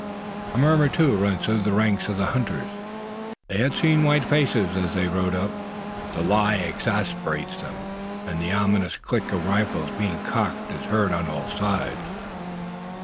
A murmur, too, runs through the ranks of the hunters. They had seen white faces as they rode up. The lie exasperates them, and the ominous click of rifles being cocked is heard on all sides.